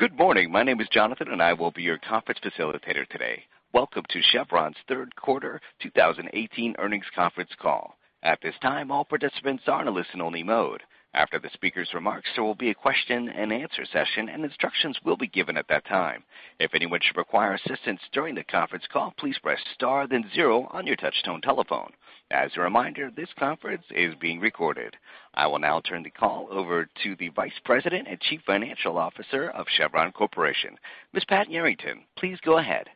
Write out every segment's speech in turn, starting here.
Good morning. My name is Jonathan, and I will be your conference facilitator today. Welcome to Chevron's third quarter 2018 earnings conference call. At this time, all participants are in a listen-only mode. After the speakers' remarks, there will be a question-and-answer session, and instructions will be given at that time. If anyone should require assistance during the conference call, please press star then zero on your touchtone telephone. As a reminder, this conference is being recorded. I will now turn the call over to the Vice President and Chief Financial Officer of Chevron Corporation. Ms. Pat Yarrington, please go ahead.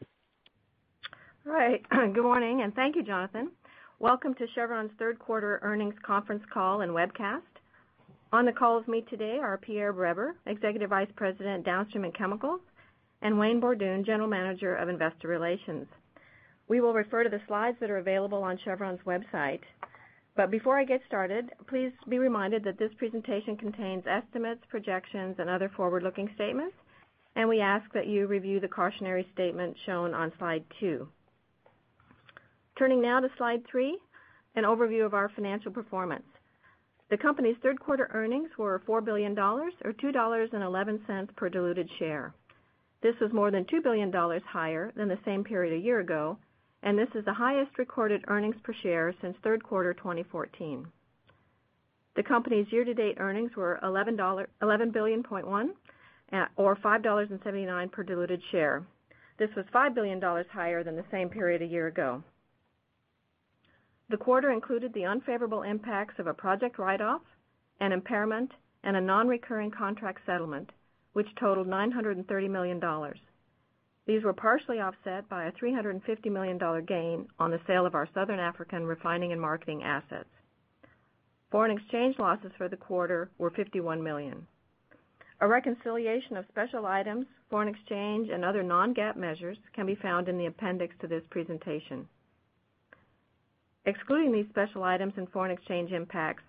All right. Good morning, and thank you, Jonathan. Welcome to Chevron's third quarter earnings conference call and webcast. On the call with me today are Pierre Breber, Executive Vice President, Downstream and Chemicals, and Wayne Borduin, General Manager of Investor Relations. We will refer to the slides that are available on Chevron's website. Before I get started, please be reminded that this presentation contains estimates, projections, and other forward-looking statements, and we ask that you review the cautionary statement shown on slide two. Turning now to slide three, an overview of our financial performance. The company's third quarter earnings were $4 billion, or $2.11 per diluted share. This was more than $2 billion higher than the same period a year ago, and this is the highest recorded earnings per share since third quarter 2014. The company's year-to-date earnings were $11.1 billion, or $5.79 per diluted share. This was $5 billion higher than the same period a year ago. The quarter included the unfavorable impacts of a project write-off, an impairment, and a non-recurring contract settlement, which totaled $930 million. These were partially offset by a $350 million gain on the sale of our Southern African refining and marketing assets. Foreign exchange losses for the quarter were $51 million. A reconciliation of special items, foreign exchange, and other non-GAAP measures can be found in the appendix to this presentation. Excluding these special items and foreign exchange impacts,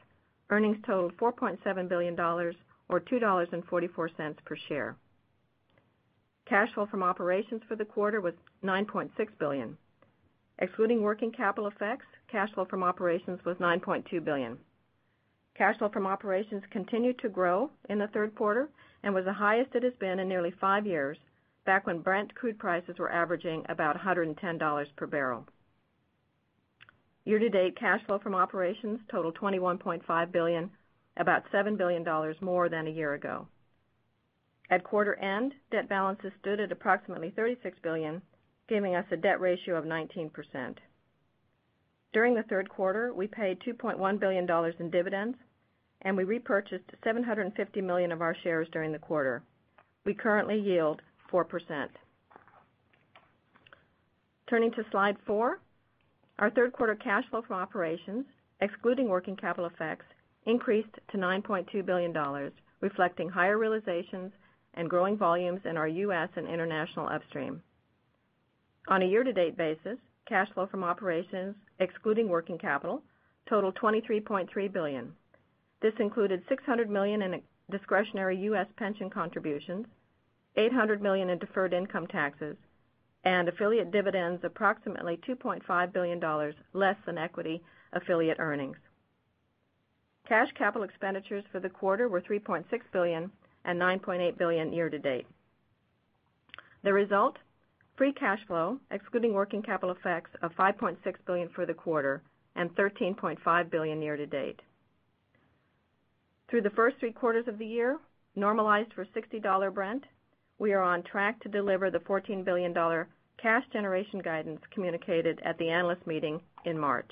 earnings totaled $4.7 billion, or $2.44 per share. Cash flow from operations for the quarter was $9.6 billion. Excluding working capital effects, cash flow from operations was $9.2 billion. Cash flow from operations continued to grow in the third quarter and was the highest it has been in nearly five years, back when Brent crude prices were averaging about $110 per barrel. Year-to-date cash flow from operations totaled $21.5 billion, about $7 billion more than a year ago. At quarter end, debt balances stood at approximately $36 billion, giving us a debt ratio of 19%. During the third quarter, we paid $2.1 billion in dividends, and we repurchased $750 million of our shares during the quarter. We currently yield 4%. Turning to slide four, our third quarter cash flow from operations, excluding working capital effects, increased to $9.2 billion, reflecting higher realizations and growing volumes in our U.S. and international upstream. On a year-to-date basis, cash flow from operations, excluding working capital, totaled $23.3 billion. This included $600 million in discretionary U.S. pension contributions, $800 million in deferred income taxes, and affiliate dividends approximately $2.5 billion less than equity affiliate earnings. Cash capital expenditures for the quarter were $3.6 billion and $9.8 billion year to date. The result, free cash flow, excluding working capital effects of $5.6 billion for the quarter and $13.5 billion year to date. Through the first three quarters of the year, normalized for $60 Brent, we are on track to deliver the $14 billion cash generation guidance communicated at the analyst meeting in March.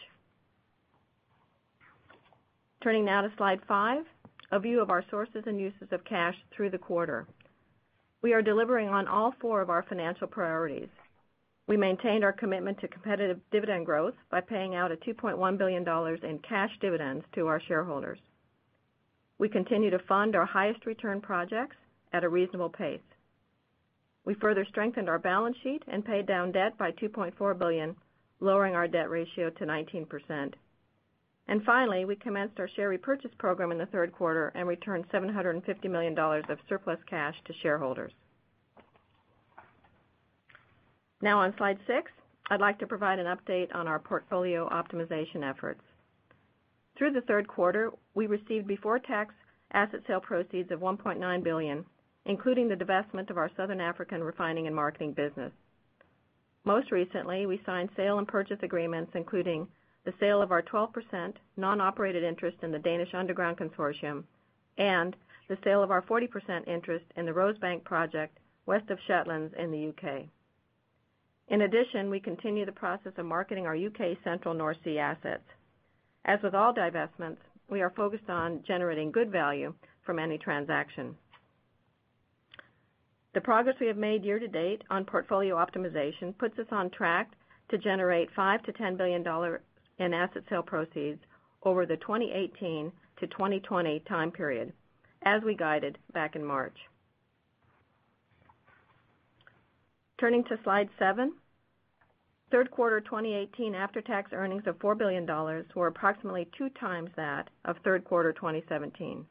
Turning now to slide five, a view of our sources and uses of cash through the quarter. We are delivering on all four of our financial priorities. We maintained our commitment to competitive dividend growth by paying out $2.1 billion in cash dividends to our shareholders. We continue to fund our highest return projects at a reasonable pace. We further strengthened our balance sheet and paid down debt by $2.4 billion, lowering our debt ratio to 19%. Finally, we commenced our share repurchase program in the third quarter and returned $750 million of surplus cash to shareholders. Now on slide six, I'd like to provide an update on our portfolio optimization efforts. Through the third quarter, we received before-tax asset sale proceeds of $1.9 billion, including the divestment of our Southern African refining and marketing business. Most recently, we signed sale and purchase agreements, including the sale of our 12% non-operated interest in the Danish Underground Consortium and the sale of our 40% interest in the Rosebank project West of Shetlands in the U.K. In addition, we continue the process of marketing our U.K. Central North Sea assets. As with all divestments, we are focused on generating good value from any transaction. The progress we have made year to date on portfolio optimization puts us on track to generate $5 billion-$10 billion in asset sale proceeds over the 2018 to 2020 time period, as we guided back in March. Turning to slide seven. Third quarter 2018 after-tax earnings of $4 billion were approximately two times that of third quarter 2017.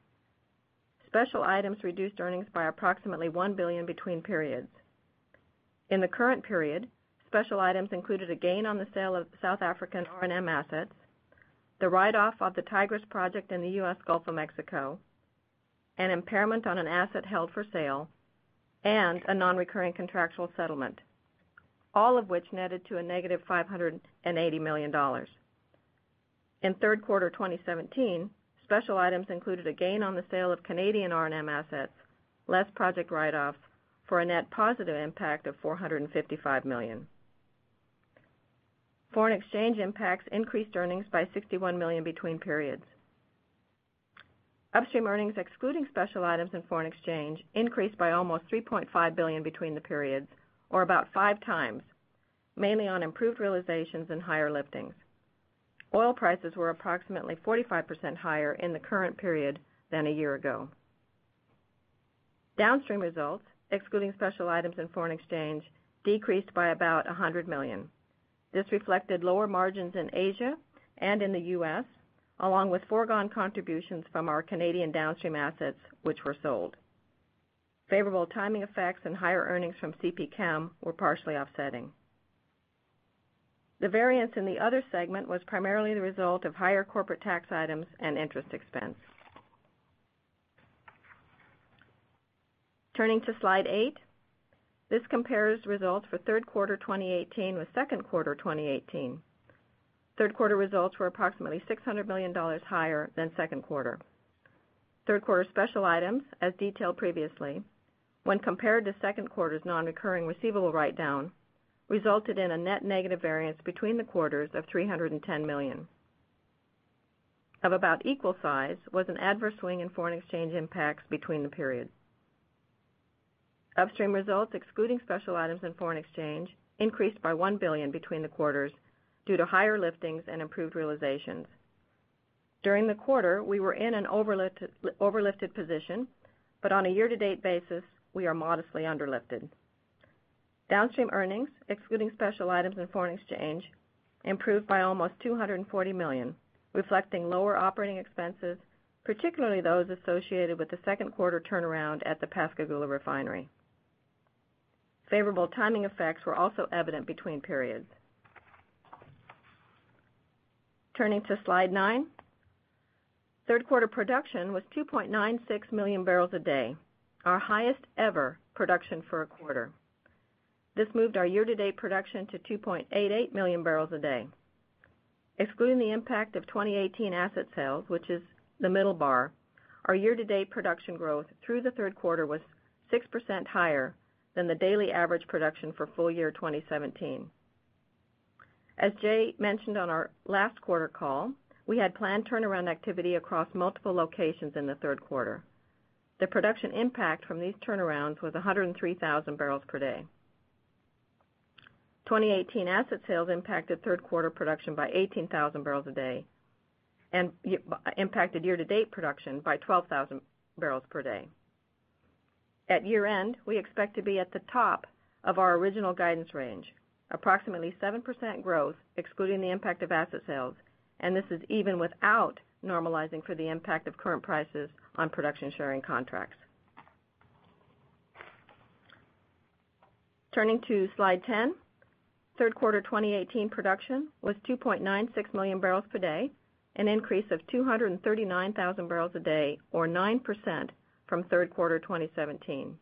Special items reduced earnings by approximately $1 billion between periods. In the current period, special items included a gain on the sale of South African R&M assets, the write-off of the Tigris project in the U.S. Gulf of Mexico, an impairment on an asset held for sale, and a non-recurring contractual settlement, all of which netted to a negative $580 million. In third quarter 2017, special items included a gain on the sale of Canadian R&M assets, less project write-offs, for a net positive impact of $455 million. Foreign exchange impacts increased earnings by $61 million between periods. Upstream earnings, excluding special items and foreign exchange, increased by almost $3.5 billion between the periods, or about five times, mainly on improved realizations and higher liftings. Oil prices were approximately 45% higher in the current period than a year ago. Downstream results, excluding special items and foreign exchange, decreased by about $100 million. This reflected lower margins in Asia and in the U.S., along with foregone contributions from our Canadian downstream assets, which were sold. Favorable timing effects and higher earnings from CP Chem were partially offsetting. The variance in the other segment was primarily the result of higher corporate tax items and interest expense. Turning to slide eight. This compares results for third quarter 2018 with second quarter 2018. Third quarter results were approximately $600 million higher than second quarter. Third quarter special items, as detailed previously, when compared to second quarter's non-recurring receivable write-down, resulted in a net negative variance between the quarters of $310 million. Of about equal size was an adverse swing in foreign exchange impacts between the periods. Upstream results, excluding special items and foreign exchange, increased by $1 billion between the quarters due to higher liftings and improved realizations. During the quarter, we were in an overlifted position, but on a year-to-date basis, we are modestly underlifted. Downstream earnings, excluding special items and foreign exchange, improved by almost $240 million, reflecting lower operating expenses, particularly those associated with the second quarter turnaround at the Pascagoula refinery. Favorable timing effects were also evident between periods. Turning to slide nine. Third quarter production was 2.96 million barrels a day, our highest ever production for a quarter. This moved our year-to-date production to 2.88 million barrels a day. Excluding the impact of 2018 asset sales, which is the middle bar, our year-to-date production growth through the third quarter was 6% higher than the daily average production for full year 2017. As Jay mentioned on our last quarter call, we had planned turnaround activity across multiple locations in the third quarter. The production impact from these turnarounds was 103,000 barrels per day. 2018 asset sales impacted third quarter production by 18,000 barrels a day and impacted year-to-date production by 12,000 barrels per day. At year-end, we expect to be at the top of our original guidance range, approximately 7% growth excluding the impact of asset sales, and this is even without normalizing for the impact of current prices on production sharing contracts. Turning to slide 10. Third quarter 2018 production was 2.96 million barrels per day, an increase of 239,000 barrels a day or 9% from third quarter 2017.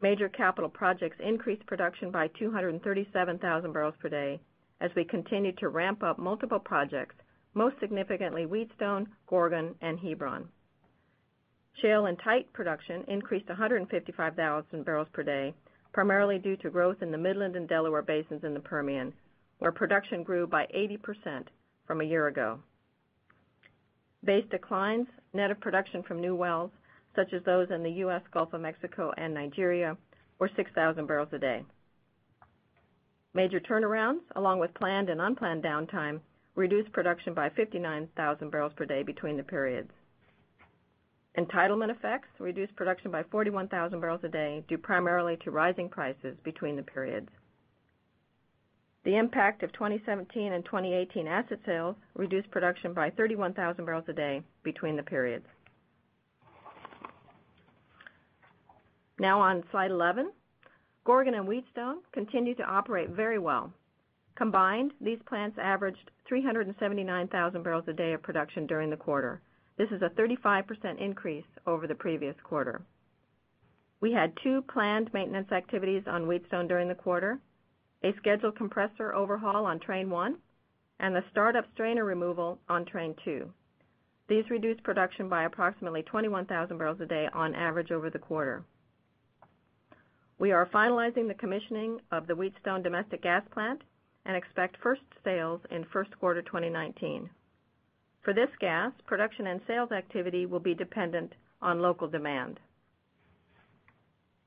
Major capital projects increased production by 237,000 barrels per day as we continued to ramp up multiple projects, most significantly Wheatstone, Gorgon, and Hebron. Shale and tight production increased 155,000 barrels per day, primarily due to growth in the Midland and Delaware basins in the Permian, where production grew by 80% from a year ago. Base declines, net of production from new wells, such as those in the U.S. Gulf of Mexico and Nigeria, were 6,000 barrels a day. Major turnarounds, along with planned and unplanned downtime, reduced production by 59,000 barrels per day between the periods. Entitlement effects reduced production by 41,000 barrels a day due primarily to rising prices between the periods. The impact of 2017 and 2018 asset sales reduced production by 31,000 barrels a day between the periods. Now on slide 11. Gorgon and Wheatstone continue to operate very well. Combined, these plants averaged 379,000 barrels a day of production during the quarter. This is a 35% increase over the previous quarter. We had two planned maintenance activities on Wheatstone during the quarter, a scheduled compressor overhaul on train 1, and a startup strainer removal on train 2. These reduced production by approximately 21,000 barrels a day on average over the quarter. We are finalizing the commissioning of the Wheatstone domestic gas plant and expect first sales in first quarter 2019. For this gas, production and sales activity will be dependent on local demand.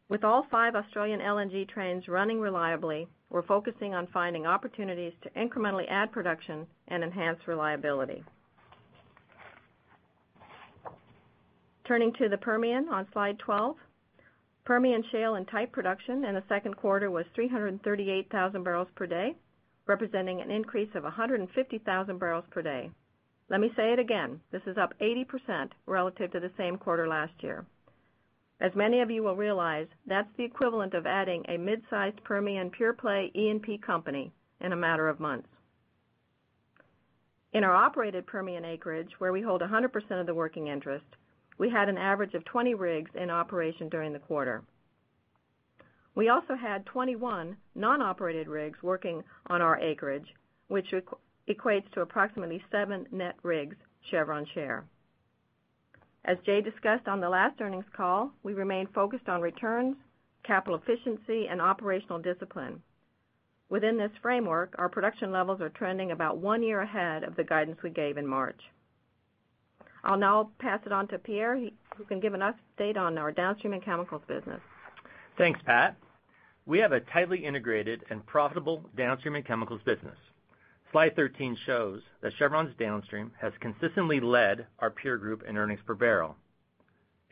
With all five Australian LNG trains running reliably, we are focusing on finding opportunities to incrementally add production and enhance reliability. Turning to the Permian on slide 12. Permian shale and tight production in the second quarter was 338,000 barrels per day, representing an increase of 150,000 barrels per day. Let me say it again, this is up 80% relative to the same quarter last year. As many of you will realize, that's the equivalent of adding a mid-sized Permian pure-play E&P company in a matter of months. In our operated Permian acreage, where we hold 100% of the working interest, we had an average of 20 rigs in operation during the quarter. We also had 21 non-operated rigs working on our acreage, which equates to approximately seven net rigs, Chevron share. As Jay discussed on the last earnings call, we remain focused on returns, capital efficiency, and operational discipline. Within this framework, our production levels are trending about one year ahead of the guidance we gave in March. I'll now pass it on to Pierre, who can give an update on our downstream and chemicals business. Thanks, Pat. We have a tightly integrated and profitable downstream and chemicals business. Slide 13 shows that Chevron's downstream has consistently led our peer group in earnings per barrel.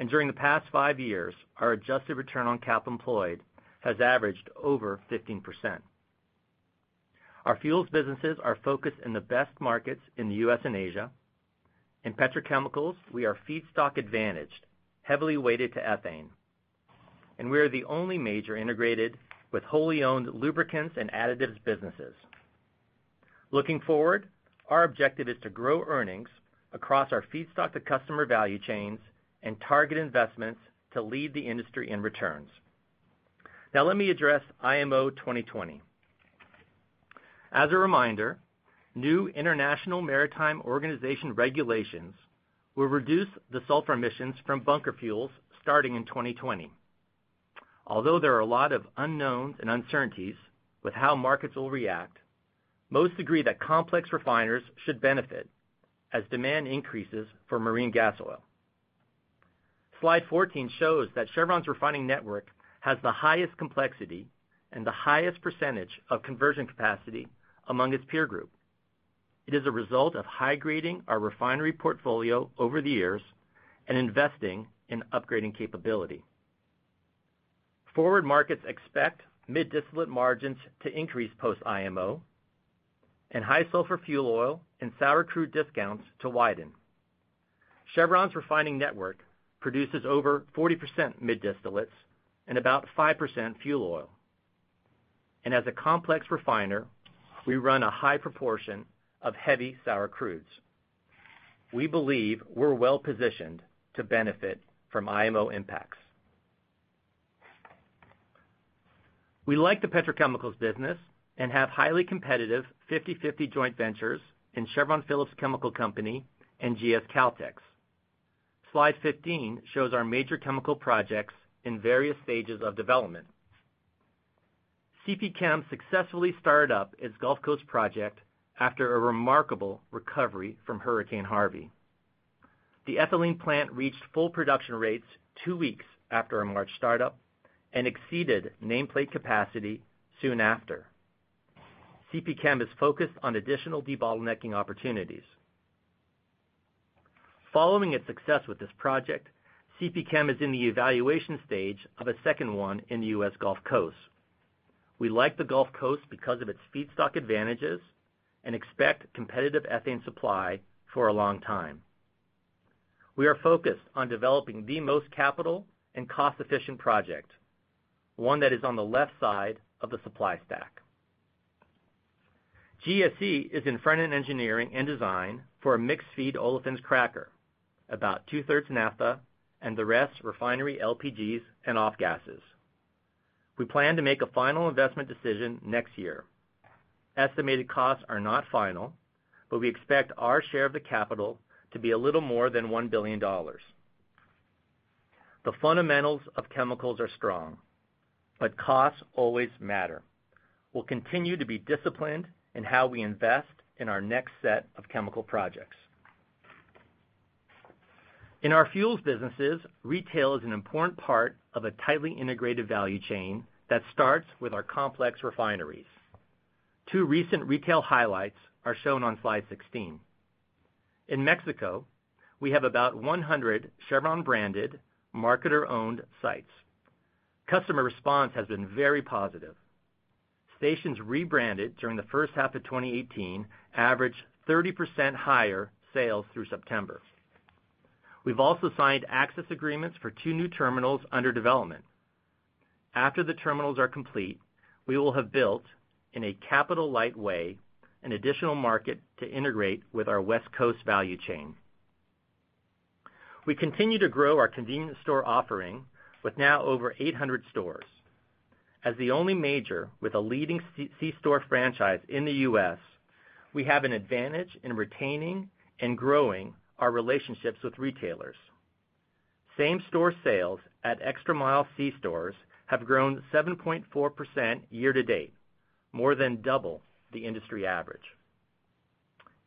During the past five years, our adjusted return on capital employed has averaged over 15%. Our fuels businesses are focused in the best markets in the U.S. and Asia. In petrochemicals, we are feedstock-advantaged, heavily weighted to ethane. We are the only major integrated with wholly-owned lubricants and additives businesses. Looking forward, our objective is to grow earnings across our feedstock-to-customer value chains and target investments to lead the industry in returns. Now let me address IMO 2020. As a reminder, new International Maritime Organization regulations will reduce the sulfur emissions from bunker fuels starting in 2020. Although there are a lot of unknowns and uncertainties with how markets will react, most agree that complex refiners should benefit as demand increases for marine gas oil. Slide 14 shows that Chevron's refining network has the highest complexity and the highest percentage of conversion capacity among its peer group. It is a result of high-grading our refinery portfolio over the years and investing in upgrading capability. Forward markets expect mid-distillate margins to increase post-IMO, and high sulfur fuel oil and sour crude discounts to widen. Chevron's refining network produces over 40% mid-distillates and about 5% fuel oil. As a complex refiner, we run a high proportion of heavy sour crudes. We believe we're well-positioned to benefit from IMO impacts. We like the petrochemicals business and have highly competitive 50/50 joint ventures in Chevron Phillips Chemical Company and GS Caltex. Slide 15 shows our major chemical projects in various stages of development. CP Chem successfully started up its Gulf Coast project after a remarkable recovery from Hurricane Harvey. The ethylene plant reached full production rates two weeks after a March startup and exceeded nameplate capacity soon after. CP Chem is focused on additional debottlenecking opportunities. Following its success with this project, CP Chem is in the evaluation stage of a second one in the U.S. Gulf Coast. We like the Gulf Coast because of its feedstock advantages and expect competitive ethane supply for a long time. We are focused on developing the most capital- and cost-efficient project, one that is on the left side of the supply stack. GS Caltex is in front-end engineering and design for a mixed-feed olefins cracker, about two-thirds naphtha and the rest refinery LPGs and off-gases. We plan to make a final investment decision next year. Estimated costs are not final, we expect our share of the capital to be a little more than $1 billion. The fundamentals of chemicals are strong, costs always matter. We'll continue to be disciplined in how we invest in our next set of chemical projects. In our fuels businesses, retail is an important part of a tightly integrated value chain that starts with our complex refineries. Two recent retail highlights are shown on slide 16. In Mexico, we have about 100 Chevron-branded marketer-owned sites. Customer response has been very positive. Stations rebranded during the first half of 2018 averaged 30% higher sales through September. We've also signed access agreements for two new terminals under development. After the terminals are complete, we will have built, in a capital-light way, an additional market to integrate with our West Coast value chain. We continue to grow our convenience store offering with now over 800 stores. As the only major with a leading c-store franchise in the U.S., we have an advantage in retaining and growing our relationships with retailers. Same-store sales at ExtraMile c-stores have grown 7.4% year to date, more than double the industry average.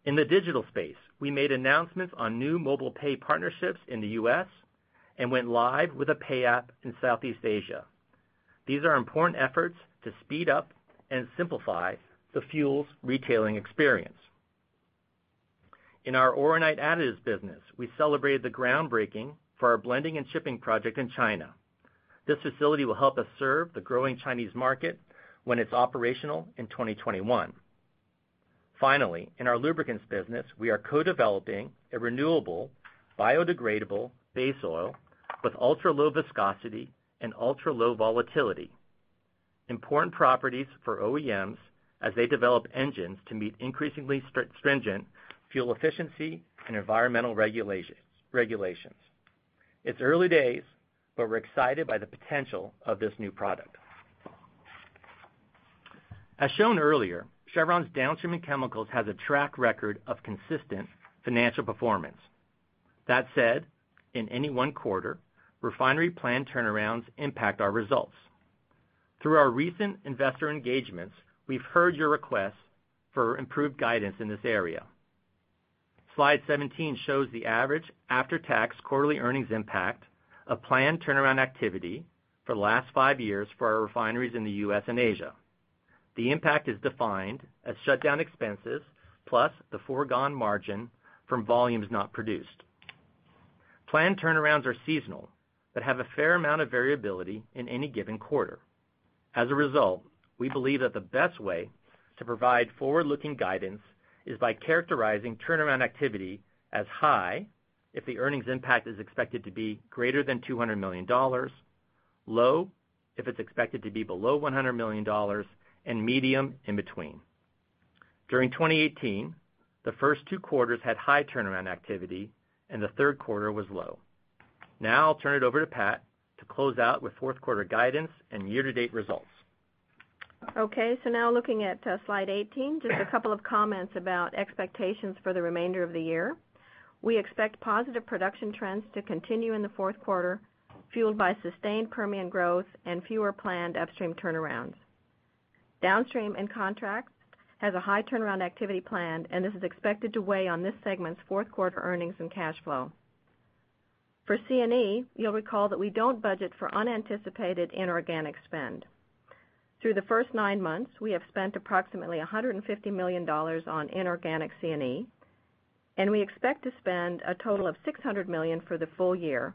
In the digital space, we made announcements on new mobile pay partnerships in the U.S. and went live with a pay app in Southeast Asia. These are important efforts to speed up and simplify the fuels retailing experience. In our Oronite additives business, we celebrated the groundbreaking for our blending and shipping project in China. This facility will help us serve the growing Chinese market when it's operational in 2021. Finally, in our lubricants business, we are co-developing a renewable, biodegradable base oil with ultra-low viscosity and ultra-low volatility, important properties for OEMs as they develop engines to meet increasingly stringent fuel efficiency and environmental regulations. It's early days, we're excited by the potential of this new product. As shown earlier, Chevron's downstream and chemicals has a track record of consistent financial performance. That said, in any one quarter, refinery planned turnarounds impact our results. Through our recent investor engagements, we've heard your request for improved guidance in this area. Slide 17 shows the average after-tax quarterly earnings impact of planned turnaround activity for the last five years for our refineries in the U.S. and Asia. The impact is defined as shutdown expenses plus the foregone margin from volumes not produced. Planned turnarounds are seasonal but have a fair amount of variability in any given quarter. As a result, we believe that the best way to provide forward-looking guidance is by characterizing turnaround activity as high if the earnings impact is expected to be greater than $200 million, low if it's expected to be below $100 million, and medium in between. During 2018, the first two quarters had high turnaround activity, and the third quarter was low. Now I'll turn it over to Pat to close out with fourth quarter guidance and year-to-date results. Okay, looking at slide 18, just a couple of comments about expectations for the remainder of the year. We expect positive production trends to continue in the fourth quarter, fueled by sustained Permian growth and fewer planned upstream turnarounds. Downstream and Chemicals has a high turnaround activity plan, and this is expected to weigh on this segment's fourth quarter earnings and cash flow. For C&E, you'll recall that we don't budget for unanticipated inorganic spend. Through the first nine months, we have spent approximately $150 million on inorganic C&E, and we expect to spend a total of $600 million for the full year,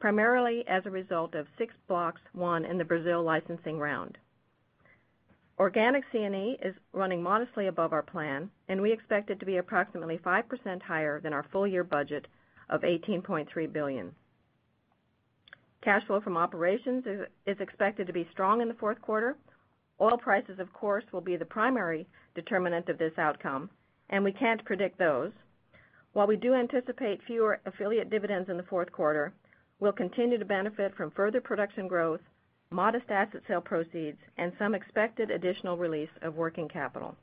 primarily as a result of six blocks won in the Brazil licensing round. Organic C&E is running modestly above our plan, and we expect it to be approximately 5% higher than our full-year budget of $18.3 billion. Cash flow from operations is expected to be strong in the fourth quarter. Oil prices, of course, will be the primary determinant of this outcome, and we can't predict those. While we do anticipate fewer affiliate dividends in the fourth quarter, we'll continue to benefit from further production growth, modest asset sale proceeds, and some expected additional release of working capital.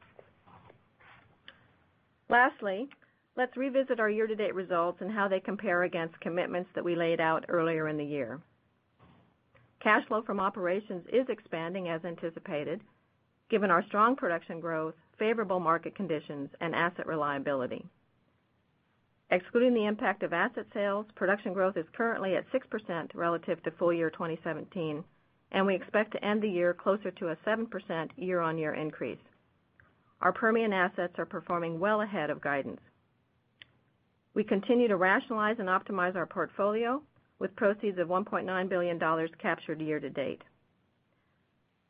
Lastly, let's revisit our year-to-date results and how they compare against commitments that we laid out earlier in the year. Cash flow from operations is expanding as anticipated, given our strong production growth, favorable market conditions, and asset reliability. Excluding the impact of asset sales, production growth is currently at 6% relative to full year 2017, and we expect to end the year closer to a 7% year-on-year increase. Our Permian assets are performing well ahead of guidance. We continue to rationalize and optimize our portfolio with proceeds of $1.9 billion captured year to date.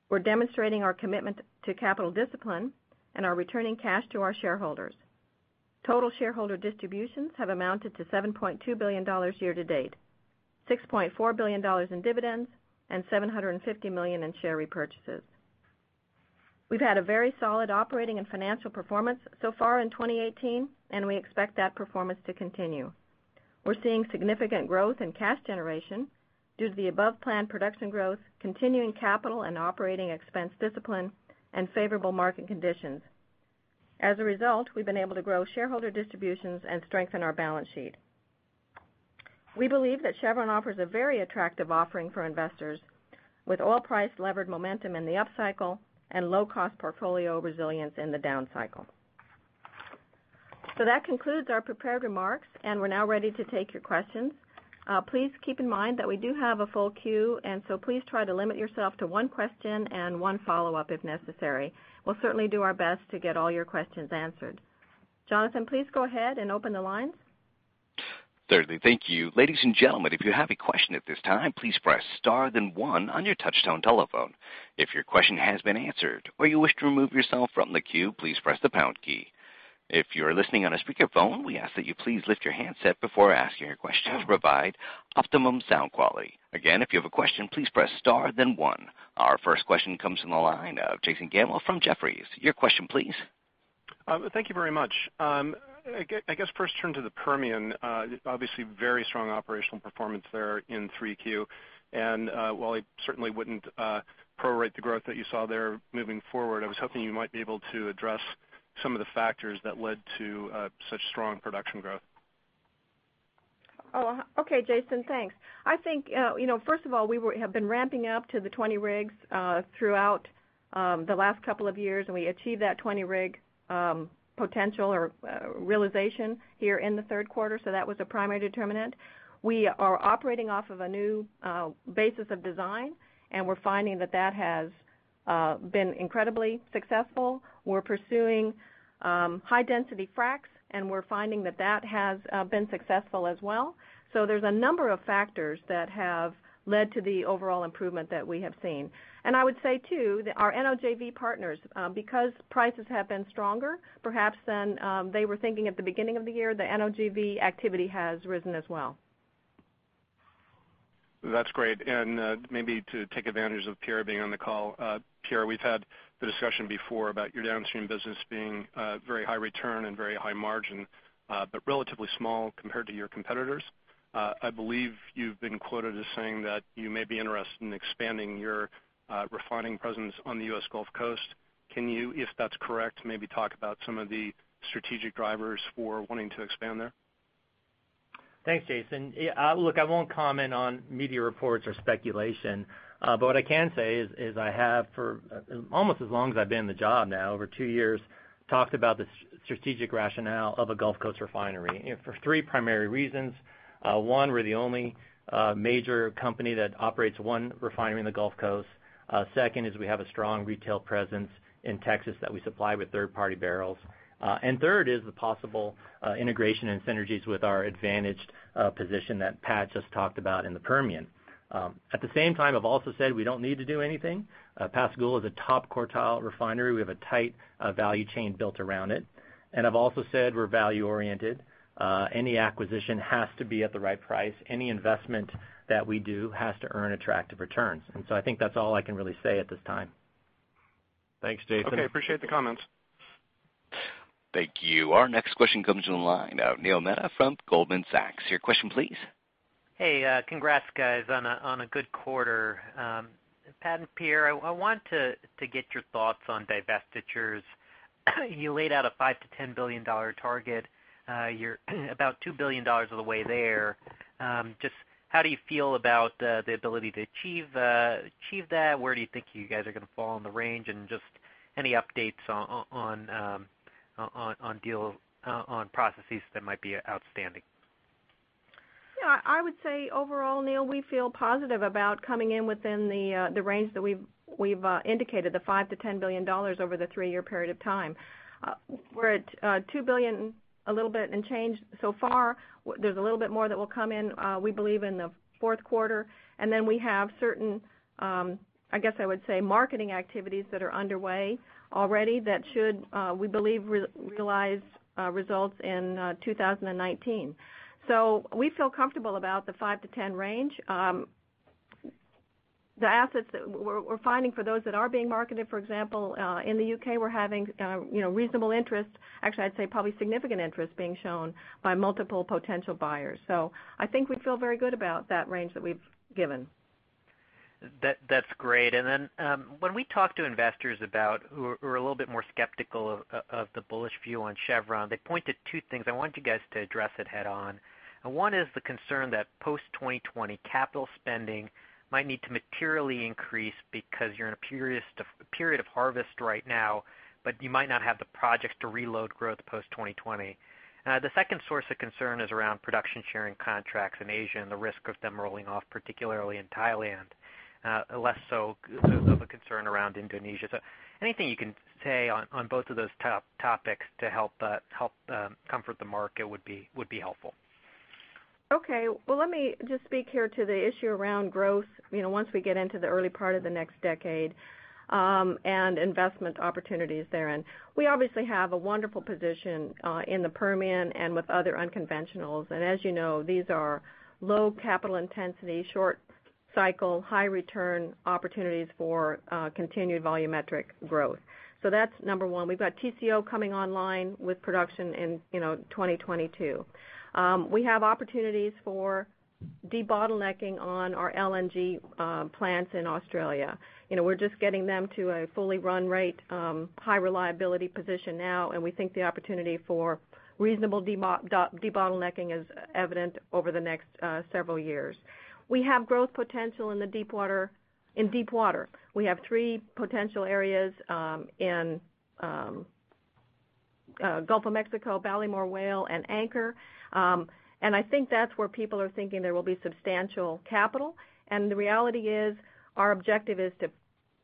We're demonstrating our commitment to capital discipline and are returning cash to our shareholders. Total shareholder distributions have amounted to $7.2 billion year to date, $6.4 billion in dividends, and $750 million in share repurchases. We've had a very solid operating and financial performance so far in 2018, and we expect that performance to continue. We're seeing significant growth in cash generation due to the above-plan production growth, continuing capital and operating expense discipline, and favorable market conditions. As a result, we've been able to grow shareholder distributions and strengthen our balance sheet. We believe that Chevron offers a very attractive offering for investors with oil price-levered momentum in the upcycle and low-cost portfolio resilience in the downcycle. That concludes our prepared remarks, and we're now ready to take your questions. Please keep in mind that we do have a full queue, please try to limit yourself to one question and one follow-up if necessary. We'll certainly do our best to get all your questions answered. Jonathan, please go ahead and open the lines. Certainly. Thank you. Ladies and gentlemen, if you have a question at this time, please press star then one on your touch-tone telephone. If your question has been answered or you wish to remove yourself from the queue, please press the pound key. If you're listening on a speakerphone, we ask that you please lift your handset before asking your question to provide optimum sound quality. Again, if you have a question, please press star then one. Our first question comes from the line of Jason Gabelman from Jefferies. Your question please. Thank you very much. I guess first turn to the Permian. Obviously very strong operational performance there in three Q. While I certainly wouldn't prorate the growth that you saw there moving forward, I was hoping you might be able to address some of the factors that led to such strong production growth. Okay, Jason, thanks. I think first of all, we have been ramping up to the 20 rigs throughout the last couple of years, we achieved that 20 rig potential or realization here in the third quarter, that was a primary determinant. We are operating off of a new basis of design. We're finding that that has been incredibly successful. We're pursuing high density fracs, we're finding that that has been successful as well. There's a number of factors that have led to the overall improvement that we have seen. I would say, too, that our NOJV partners, because prices have been stronger perhaps than they were thinking at the beginning of the year, the NOJV activity has risen as well. That's great. Maybe to take advantage of Pierre Breber being on the call. Pierre Breber, we've had the discussion before about your downstream business being very high return and very high margin but relatively small compared to your competitors. I believe you've been quoted as saying that you may be interested in expanding your refining presence on the U.S. Gulf Coast. Can you, if that's correct, maybe talk about some of the strategic drivers for wanting to expand there? Thanks, Jason Gabelman. Look, I won't comment on media reports or speculation. What I can say is I have for almost as long as I've been in the job now, over two years, talked about the strategic rationale of a Gulf Coast refinery, for three primary reasons. One, we're the only major company that operates one refinery in the Gulf Coast. Second is we have a strong retail presence in Texas that we supply with third party barrels. Third is the possible integration and synergies with our advantaged position that Pat Yarrington just talked about in the Permian. At the same time, I've also said we don't need to do anything. Pascagoula is a top quartile refinery. We have a tight value chain built around it. I've also said we're value oriented. Any acquisition has to be at the right price. Any investment that we do has to earn attractive returns. I think that's all I can really say at this time. Thanks, Jason Gabelman. Okay, appreciate the comments. Thank you. Our next question comes from the line of Neil Mehta from Goldman Sachs. Your question, please. Hey, congrats guys on a good quarter. Pat and Pierre, I want to get your thoughts on divestitures. You laid out a $5 billion-$10 billion target. You're about $2 billion of the way there. Just how do you feel about the ability to achieve that? Where do you think you guys are going to fall in the range and just any updates on processes that might be outstanding? Yeah, I would say overall, Neil, we feel positive about coming in within the range that we've indicated, the $5 billion-$10 billion over the three-year period of time. We're at $2 billion, a little bit, and change so far. There's a little bit more that will come in, we believe, in the fourth quarter. We have certain, I guess I would say, marketing activities that are underway already that should, we believe, realize results in 2019. We feel comfortable about the 5-10 range. The assets that we're finding for those that are being marketed, for example in the U.K., we're having reasonable interest. Actually, I'd say probably significant interest being shown by multiple potential buyers. I think we feel very good about that range that we've given. That's great. When we talk to investors about who are a little bit more skeptical of the bullish view on Chevron, they point to two things. I want you guys to address it head on. One is the concern that post-2020 capital spending might need to materially increase because you're in a period of harvest right now, but you might not have the projects to reload growth post-2020. The second source of concern is around Production Sharing Contracts in Asia and the risk of them rolling off, particularly in Thailand. Less so of a concern around Indonesia. Anything you can say on both of those topics to help comfort the market would be helpful. Okay. Well, let me just speak here to the issue around growth once we get into the early part of the next decade, and investment opportunities therein. We obviously have a wonderful position in the Permian and with other unconventionals. As you know, these are low capital intensity, short cycle, high return opportunities for continued volumetric growth. That's number 1. We've got TCO coming online with production in 2022. We have opportunities for debottlenecking on our LNG plants in Australia. We're just getting them to a fully run rate high reliability position now, and we think the opportunity for reasonable debottlenecking is evident over the next several years. We have growth potential in deep water. We have three potential areas in Gulf of Mexico, Ballymore, Whale, and Anchor. I think that's where people are thinking there will be substantial capital. The reality is our objective is to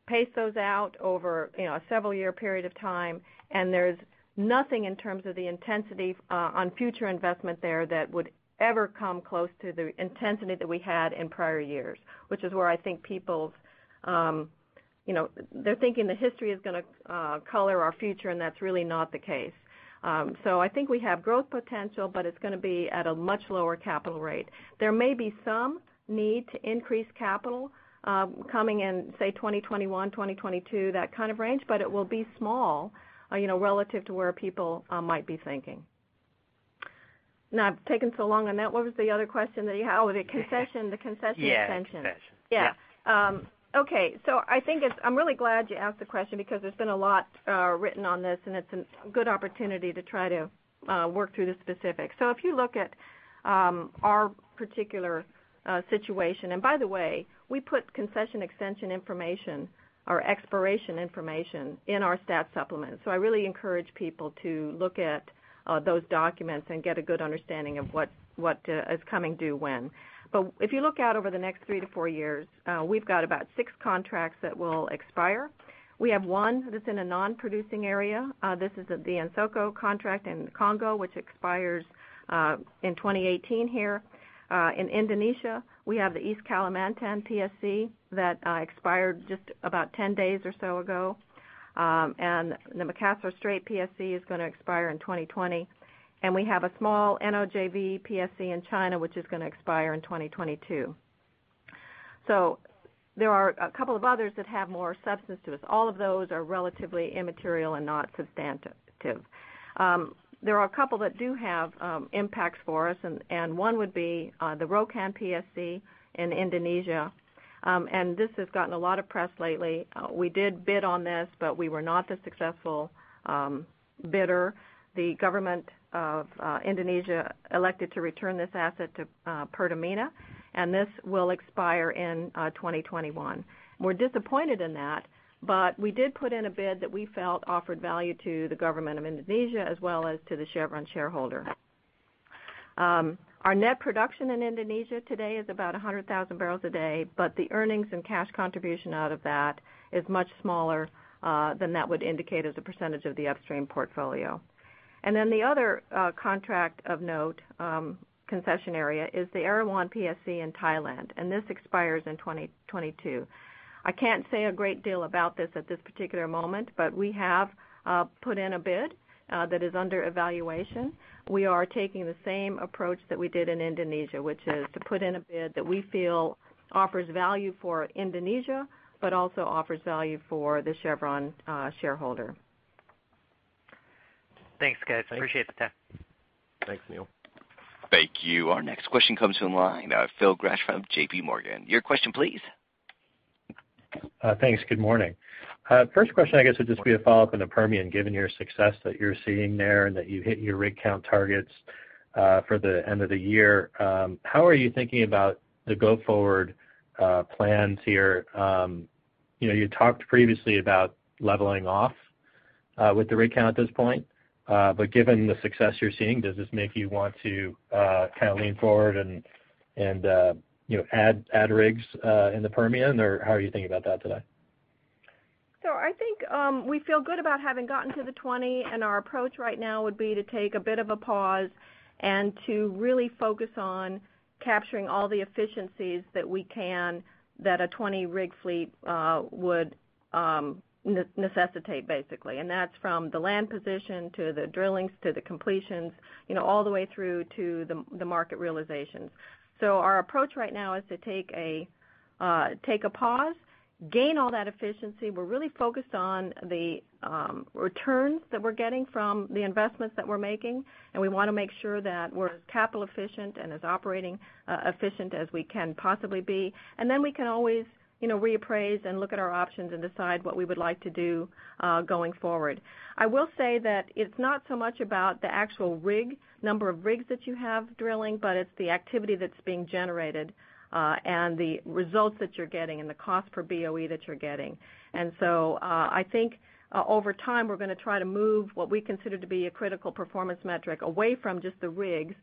pace those out over a several year period of time, and there's nothing in terms of the intensity on future investment there that would ever come close to the intensity that we had in prior years, which is where I think people, they're thinking the history is going to color our future, and that's really not the case. I think we have growth potential, but it's going to be at a much lower capital rate. There may be some need to increase capital coming in, say, 2021, 2022, that kind of range, but it will be small relative to where people might be thinking. Now I've taken so long on that, what was the other question that you had? Oh, the concession extension. Yeah, concession. Yeah. Okay. I'm really glad you asked the question because there's been a lot written on this, and it's a good opportunity to try to work through the specifics. If you look at our particular situation. By the way, we put concession extension information or expiration information in our stat supplement. I really encourage people to look at those documents and get a good understanding of what is coming due when. If you look out over the next three to four years, we've got about 6 contracts that will expire. We have 1 that's in a non-producing area. This is the Nkossa contract in Congo, which expires in 2018 here. In Indonesia, we have the East Kalimantan PSC that expired just about 10 days or so ago. The Makassar Strait PSC is going to expire in 2020. We have a small NOJV PSC in China, which is going to expire in 2022. There are a couple of others that have more substance to it. All of those are relatively immaterial and not substantive. There are a couple that do have impacts for us, and one would be the Rokan PSC in Indonesia. This has gotten a lot of press lately. We did bid on this, but we were not the successful bidder. The government of Indonesia elected to return this asset to Pertamina, and this will expire in 2021. We're disappointed in that, but we did put in a bid that we felt offered value to the government of Indonesia as well as to the Chevron shareholder. Our net production in Indonesia today is about 100,000 barrels a day, but the earnings and cash contribution out of that is much smaller than that would indicate as a percentage of the upstream portfolio. The other contract of note, concession area, is the Erawan PSC in Thailand, and this expires in 2022. I can't say a great deal about this at this particular moment, but we have put in a bid that is under evaluation. We are taking the same approach that we did in Indonesia, which is to put in a bid that we feel offers value for Indonesia, but also offers value for the Chevron shareholder. Thanks, guys. I appreciate the time. Thanks, Neil. Thank you. Our next question comes from the line, Phil Gresh from JPMorgan. Your question, please. Thanks. Good morning. First question, I guess, would just be a follow-up on the Permian, given your success that you're seeing there and that you hit your rig count targets for the end of the year. How are you thinking about the go-forward plans here? You talked previously about leveling off with the rig count at this point. Given the success you're seeing, does this make you want to lean forward and add rigs in the Permian, or how are you thinking about that today? I think we feel good about having gotten to the 20, our approach right now would be to take a bit of a pause and to really focus on capturing all the efficiencies that we can that a 20-rig fleet would necessitate, basically. That's from the land position to the drillings to the completions all the way through to the market realizations. Our approach right now is to take a pause, gain all that efficiency. We're really focused on the returns that we're getting from the investments that we're making, we want to make sure that we're as capital efficient and as operating efficient as we can possibly be. Then we can always reappraise and look at our options and decide what we would like to do going forward. I will say that it's not so much about the actual number of rigs that you have drilling, it's the activity that's being generated and the results that you're getting and the cost per BOE that you're getting. I think over time, we're going to try to move what we consider to be a critical performance metric away from just the rigs,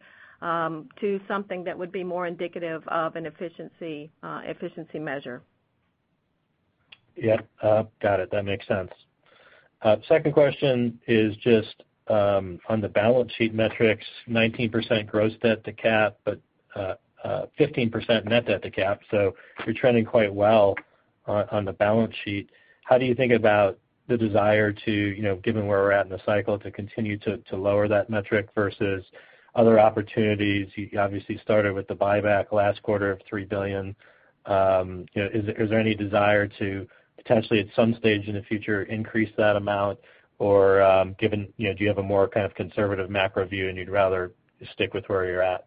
to something that would be more indicative of an efficiency measure. Yeah. Got it. That makes sense. Second question is just on the balance sheet metrics, 19% gross debt to cap, but 15% net debt to cap. You're trending quite well on the balance sheet. How do you think about the desire to, given where we're at in the cycle, to continue to lower that metric versus other opportunities? You obviously started with the buyback last quarter of $3 billion. Is there any desire to potentially at some stage in the future, increase that amount? Do you have a more conservative macro view and you'd rather stick with where you're at?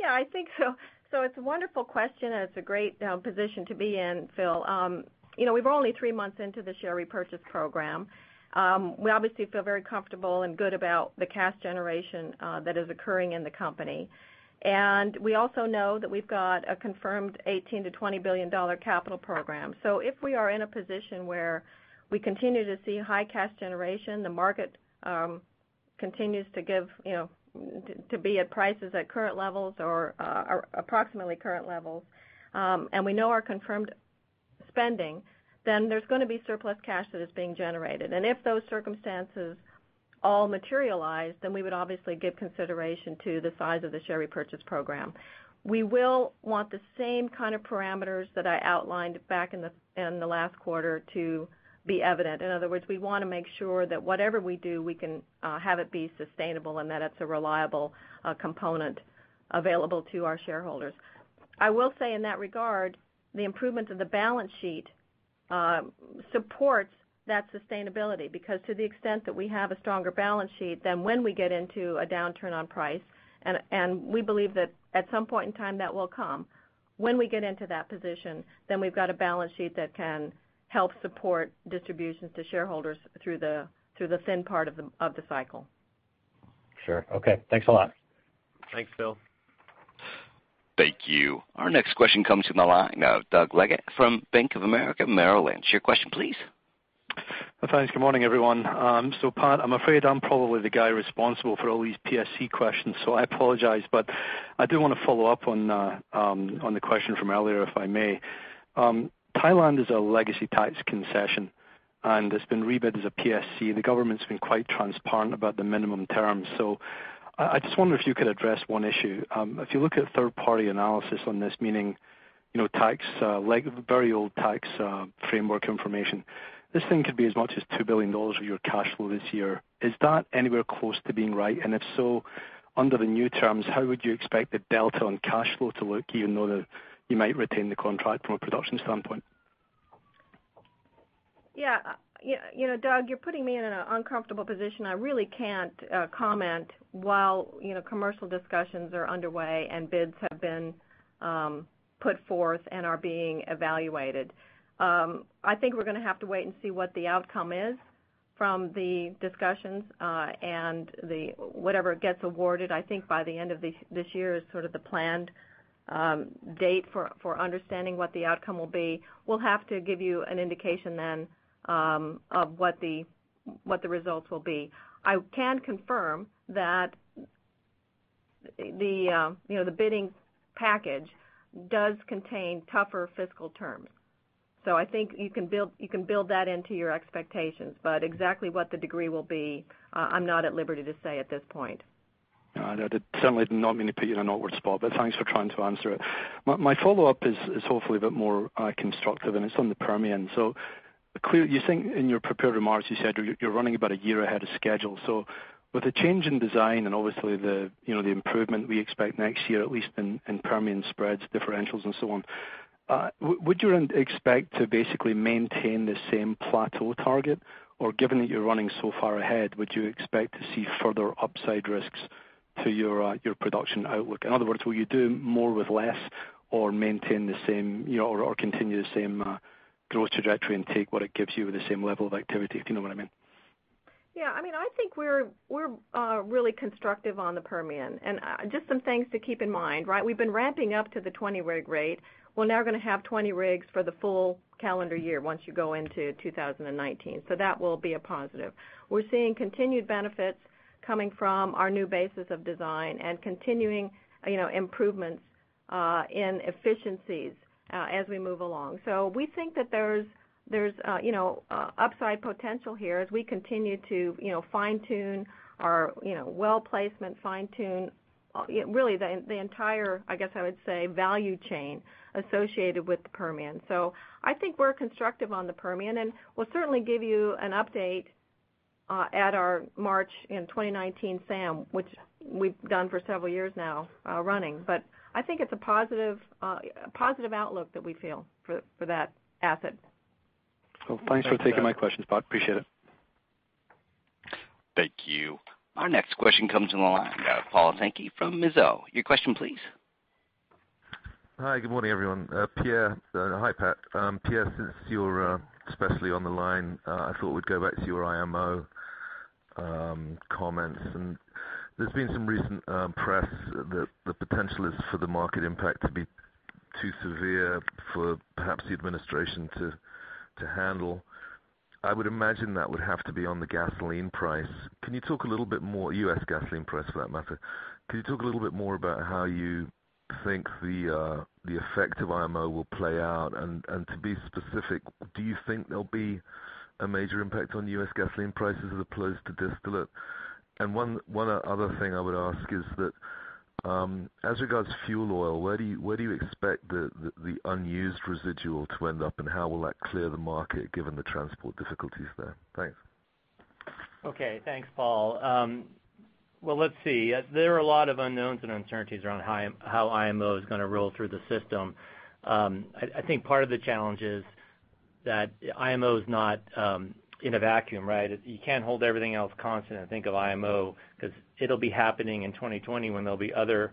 Yeah, I think so. It's a wonderful question, and it's a great position to be in, Phil. We're only three months into the share repurchase program. We obviously feel very comfortable and good about the cash generation that is occurring in the company. We also know that we've got a confirmed $18 billion to $20 billion capital program. If we are in a position where we continue to see high cash generation, the market continues to be at prices at current levels or approximately current levels, and we know our confirmed spending, then there's going to be surplus cash that is being generated. If those circumstances all materialize, then we would obviously give consideration to the size of the share repurchase program. We will want the same kind of parameters that I outlined back in the last quarter to be evident. In other words, we want to make sure that whatever we do, we can have it be sustainable and that it's a reliable component available to our shareholders. I will say in that regard, the improvement of the balance sheet supports that sustainability, because to the extent that we have a stronger balance sheet, then when we get into a downturn on price, and we believe that at some point in time that will come, when we get into that position, then we've got a balance sheet that can help support distributions to shareholders through the thin part of the cycle. Sure. Okay. Thanks a lot. Thanks, Phil. Thank you. Our next question comes from the line of Doug Leggate from Bank of America Merrill Lynch. Your question, please. Thanks. Good morning, everyone. Pat, I'm afraid I'm probably the guy responsible for all these PSC questions, so I apologize. I do want to follow up on the question from earlier, if I may. Thailand is a legacy tax concession, and it's been rebid as a PSC, and the government's been quite transparent about the minimum terms. I just wonder if you could address one issue. If you look at third-party analysis on this, meaning very old tax framework information. This thing could be as much as $2 billion of your cash flow this year. Is that anywhere close to being right? If so, under the new terms, how would you expect the delta on cash flow to look even though you might retain the contract from a production standpoint? Yeah. Doug, you're putting me in an uncomfortable position. I really can't comment while commercial discussions are underway and bids have been put forth and are being evaluated. I think we're going to have to wait and see what the outcome is from the discussions. Whatever gets awarded, I think by the end of this year is sort of the planned date for understanding what the outcome will be. We'll have to give you an indication then of what the results will be. I can confirm that the bidding package does contain tougher fiscal terms. I think you can build that into your expectations. Exactly what the degree will be, I'm not at liberty to say at this point. Got it. Certainly did not mean to put you in an awkward spot. Thanks for trying to answer it. My follow-up is hopefully a bit more constructive. It's on the Permian. Clearly, you think in your prepared remarks, you said you're running about a year ahead of schedule. With the change in design and obviously the improvement we expect next year, at least in Permian spreads, differentials and so on, would you expect to basically maintain the same plateau target? Given that you're running so far ahead, would you expect to see further upside risks to your production outlook? In other words, will you do more with less or maintain the same or continue the same growth trajectory and take what it gives you with the same level of activity? Do you know what I mean? Yeah. I think we're really constructive on the Permian. Just some things to keep in mind. We've been ramping up to the 20 rig rate. We're now going to have 20 rigs for the full calendar year once you go into 2019. That will be a positive. We're seeing continued benefits coming from our new basis of design and continuing improvements in efficiencies as we move along. We think that there's upside potential here as we continue to fine-tune our well placement, fine-tune really the entire, I guess I would say, value chain associated with the Permian. I think we're constructive on the Permian, and we'll certainly give you an update at our March in 2019 SAM, which we've done for several years now running. I think it's a positive outlook that we feel for that asset. Well, thanks for taking my questions, Pat. Appreciate it. Thank you. Our next question comes from the line of Paul Sankey from Mizuho. Your question, please. Hi, good morning, everyone. Pierre. Hi, Pat. Pierre, since you're especially on the line, I thought we'd go back to your IMO comments. There's been some recent press that the potential is for the market impact to be too severe for perhaps the administration to handle. I would imagine that would have to be on the gasoline price. Can you talk a little bit more, U.S. gasoline price for that matter? Can you talk a little bit more about how you think the effect of IMO will play out? To be specific, do you think there'll be a major impact on U.S. gasoline prices as opposed to distillate? One other thing I would ask is that, as regards fuel oil, where do you expect the unused residual to end up, and how will that clear the market given the transport difficulties there? Thanks. Okay. Thanks, Paul. Well, let's see. There are a lot of unknowns and uncertainties around how IMO is going to roll through the system. I think part of the challenge is that IMO is not in a vacuum. You can't hold everything else constant and think of IMO because it'll be happening in 2020 when there'll be other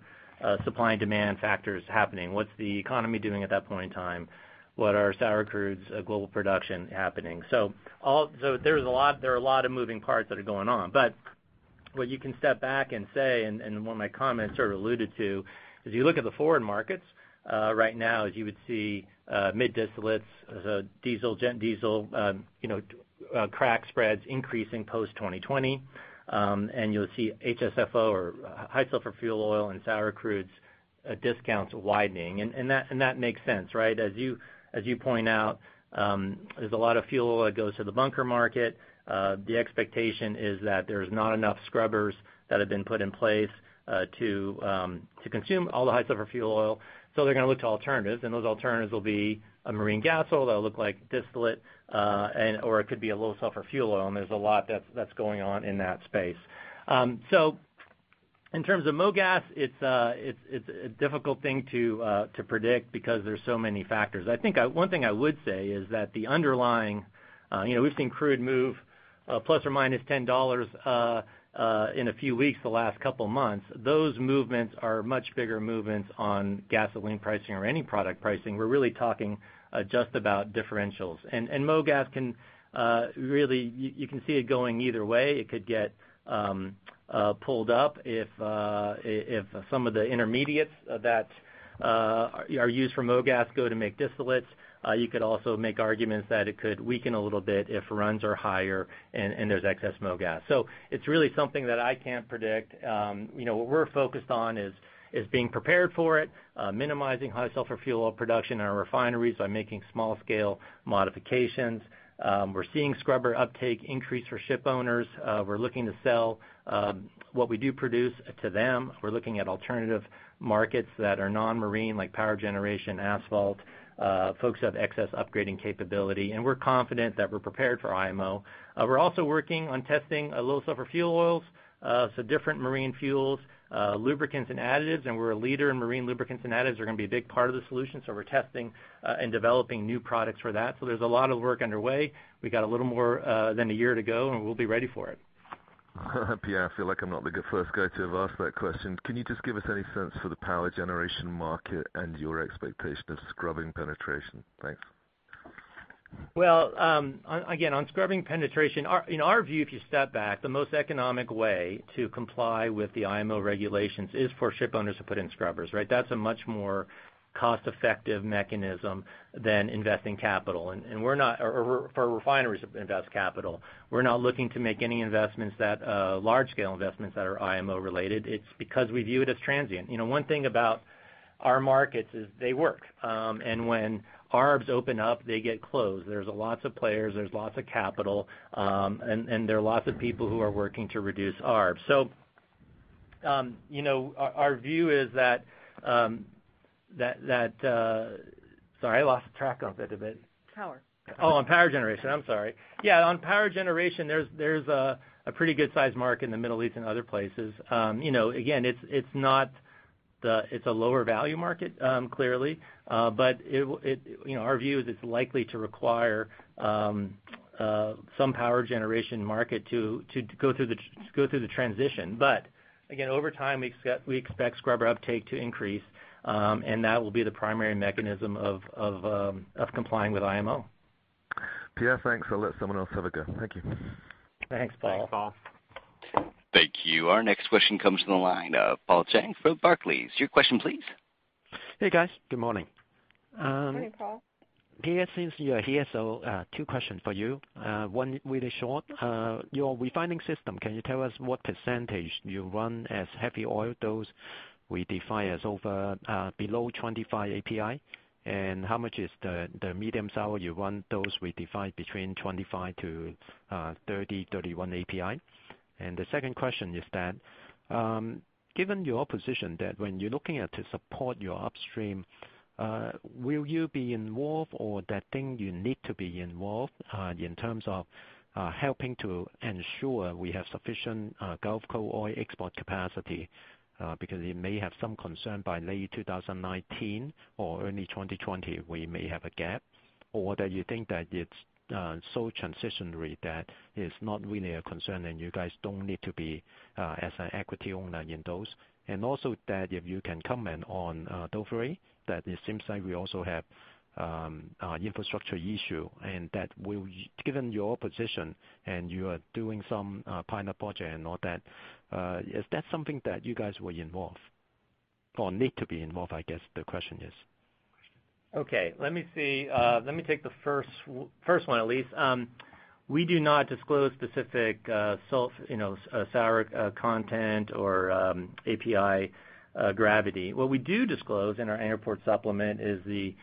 supply and demand factors happening. What's the economy doing at that point in time? What are sour crudes global production happening? There are a lot of moving parts that are going on. What you can step back and say, and one of my comments sort of alluded to, is you look at the forward markets right now, is you would see mid distillates, diesel, gen diesel crack spreads increasing post 2020. You'll see HSFO or high sulfur fuel oil and sour crudes discounts widening. That makes sense. As you point out, there's a lot of fuel oil that goes to the bunker market. The expectation is that there's not enough scrubbers that have been put in place to consume all the high sulfur fuel oil. They're going to look to alternatives, and those alternatives will be a marine gas oil that'll look like distillate, or it could be a low sulfur fuel oil, and there's a lot that's going on in that space. In terms of Mogas, it's a difficult thing to predict because there's so many factors. I think one thing I would say is that the underlying, we've seen crude move plus or minus $10 in a few weeks, the last couple of months. Those movements are much bigger movements on gasoline pricing or any product pricing. We're really talking just about differentials. You can see it going either way. It could get pulled up if some of the intermediates that are used for Mogas go to make distillates. You could also make arguments that it could weaken a little bit if runs are higher and there's excess Mogas. It's really something that I can't predict. What we're focused on is being prepared for it, minimizing high sulfur fuel oil production in our refineries by making small scale modifications. We're seeing scrubber uptake increase for ship owners. We're looking to sell what we do produce to them. We're looking at alternative markets that are non-marine, like power generation, asphalt. Folks who have excess upgrading capability. We're confident that we're prepared for IMO. We're also working on testing low sulfur fuel oils, so different marine fuels, lubricants, and additives, and we're a leader in marine lubricants and additives. They're going to be a big part of the solution. We're testing and developing new products for that. There's a lot of work underway. We got a little more than a year to go, and we'll be ready for it. Pierre, I feel like I'm not the first guy to have asked that question. Can you just give us any sense for the power generation market and your expectation of scrubbing penetration? Thanks. Again, on scrubbing penetration, in our view, if you step back, the most economic way to comply with the IMO regulations is for ship owners to put in scrubbers, right? That's a much more cost-effective mechanism than investing capital. For refineries to invest capital. We're not looking to make any large scale investments that are IMO related. It's because we view it as transient. One thing about our markets is they work. When ARBs open up, they get closed. There's lots of players, there's lots of capital, and there are lots of people who are working to reduce ARBs. Our view is that. Sorry, I lost track a bit. Power. On power generation. I'm sorry. On power generation, there's a pretty good-sized market in the Middle East and other places. Again, it's a lower value market, clearly. Our view is it's likely to require some power generation market to go through the transition. Again, over time, we expect scrubber uptake to increase. That will be the primary mechanism of complying with IMO. Pierre, thanks. I'll let someone else have a go. Thank you. Thanks, Paul. Thanks, Paul. Thank you. Our next question comes from the line of Paul Cheng from Barclays. Your question, please. Hey, guys. Good morning. Morning, Paul. Pierre, since you are here, two questions for you. One really short. Your refining system, can you tell us what % you run as heavy oil? Those we define as below 25 API. How much is the medium sour you run? Those we define between 25 to 30, 31 API. The second question is that, given your position that when you're looking at to support your upstream, will you be involved, or that thing you need to be involved in terms of helping to ensure we have sufficient Gulf Coast oil export capacity? Because you may have some concern by late 2019 or early 2020, we may have a gap. That you think that it's so transitionary that it's not really a concern and you guys don't need to be as an equity owner in those. Also that if you can comment on Duvernay, that it seems like we also have infrastructure issue, that given your position and you are doing some pilot project and all that, is that something that you guys were involved or need to be involved, I guess the question is? Okay. Let me see. Let me take the first one at least. We do not disclose specific sour content or API gravity. What we do disclose in our annual report supplement is the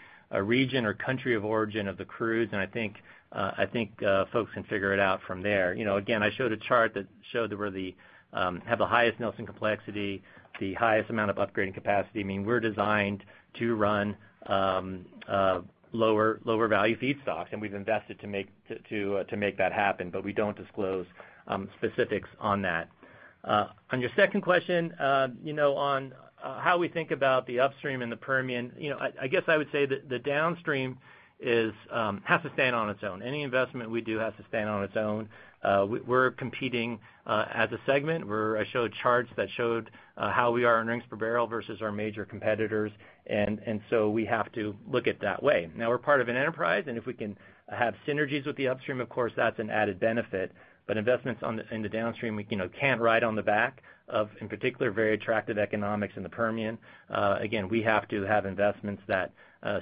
region or country of origin of the crudes, and I think folks can figure it out from there. Again, I showed a chart that showed where they have the highest Nelson Complexity, the highest amount of upgrading capacity. I mean, we're designed to run lower value feedstock, and we've invested to make that happen. We don't disclose specifics on that. On your second question, on how we think about the upstream and the Permian, I guess I would say that the downstream has to stand on its own. Any investment we do has to stand on its own. We're competing as a segment. I showed charts that showed how we are in earnings per barrel versus our major competitors. We have to look at it that way. We're part of an enterprise, and if we can have synergies with the upstream, of course, that's an added benefit. Investments in the downstream can ride on the back of, in particular, very attractive economics in the Permian. Again, we have to have investments that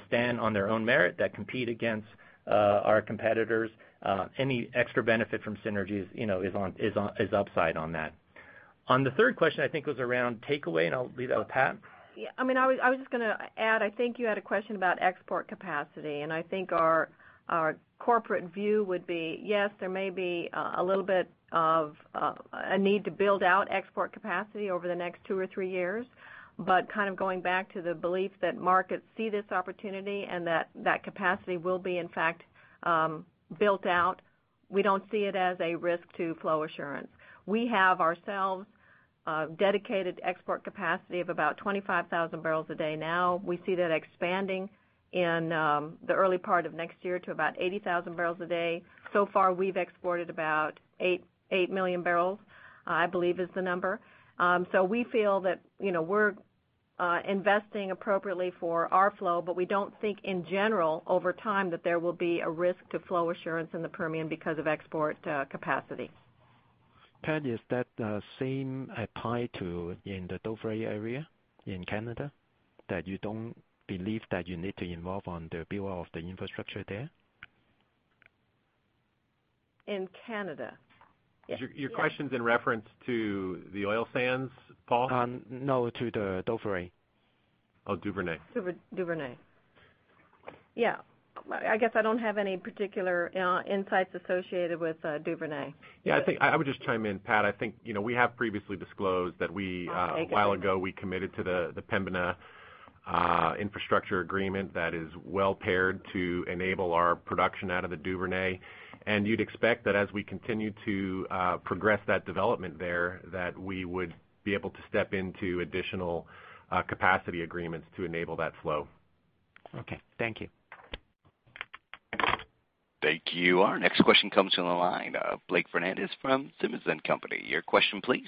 stand on their own merit, that compete against our competitors. Any extra benefit from synergies is upside on that. On the third question, I think it was around takeaway, and I'll leave that with Pat. Yeah. I was just going to add, I think you had a question about export capacity, and I think our corporate view would be, yes, there may be a little bit of a need to build out export capacity over the next two or three years. Kind of going back to the belief that markets see this opportunity and that that capacity will be in fact built out. We don't see it as a risk to flow assurance. We have ourselves a dedicated export capacity of about 25,000 barrels a day now. We see that expanding in the early part of next year to about 80,000 barrels a day. So far, we've exported about 8 million barrels, I believe is the number. We feel that we're investing appropriately for our flow. We don't think in general, over time, that there will be a risk to flow assurance in the Permian because of export capacity. Pat, does that same apply to in the Duvernay area in Canada, that you don't believe that you need to involve on the build out of the infrastructure there? In Canada? Yes. Your question's in reference to the oil sands, Paul? No, to the Duvernay. Oh, Duvernay. Duvernay. Yeah. I guess I don't have any particular insights associated with Duvernay. Yeah, I would just chime in, Pat. I think, we have previously disclosed that we have a while ago, we committed to the Pembina infrastructure agreement that is well paired to enable our production out of the Duvernay. Okay. You'd expect that as we continue to progress that development there, that we would be able to step into additional capacity agreements to enable that flow. Okay. Thank you. Thank you. Our next question comes from the line of Blake Fernandez from Simmons & Company. Your question, please.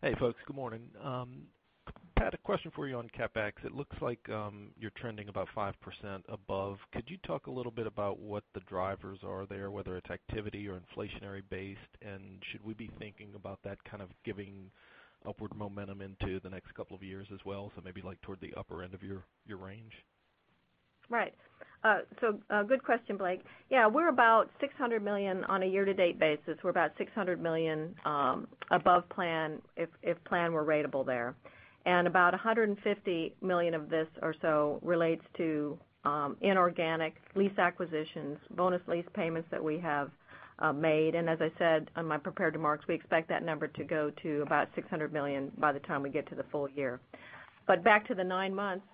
Hey, folks. Good morning. Pat, a question for you on CapEx. It looks like you're trending about 5% above. Could you talk a little bit about what the drivers are there, whether it's activity or inflationary based, and should we be thinking about that kind of giving upward momentum into the next couple of years as well? Maybe like toward the upper end of your range? Right. Good question, Blake. Yeah, we're about $600 million on a year-to-date basis. We're about $600 million above plan if plan were ratable there. About $150 million of this or so relates to inorganic lease acquisitions, bonus lease payments that we have made. As I said on my prepared remarks, we expect that number to go to about $600 million by the time we get to the full year. Back to the nine months,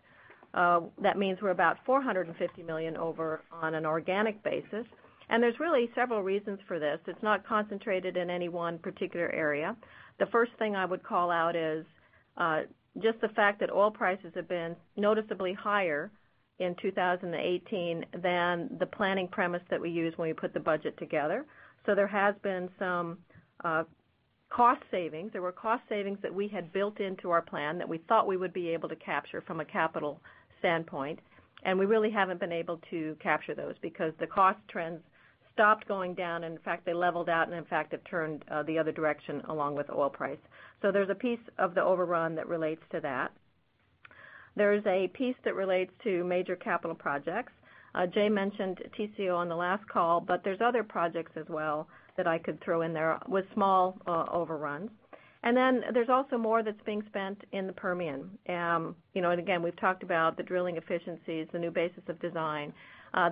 that means we're about $450 million over on an organic basis, and there's really several reasons for this. It's not concentrated in any one particular area. The first thing I would call out is just the fact that oil prices have been noticeably higher in 2018 than the planning premise that we used when we put the budget together. There has been some cost savings. There were cost savings that we had built into our plan that we thought we would be able to capture from a capital standpoint. We really haven't been able to capture those because the cost trends stopped going down. In fact, they leveled out and in fact, have turned the other direction along with oil price. There's a piece of the overrun that relates to that. There's a piece that relates to major capital projects. Jay mentioned TCO on the last call, but there's other projects as well that I could throw in there with small overruns. Then there's also more that's being spent in the Permian. Again, we've talked about the drilling efficiencies, the new basis of design,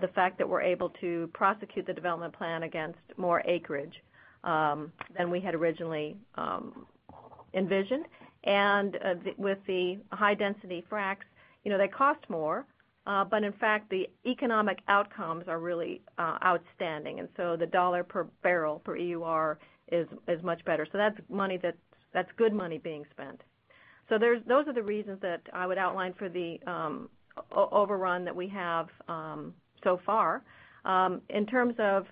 the fact that we're able to prosecute the development plan against more acreage than we had originally envisioned. With the high density fracs, they cost more. In fact, the economic outcomes are really outstanding, and so the $ per barrel per EUR is much better. That's good money being spent. Those are the reasons that I would outline for the overrun that we have so far. In terms of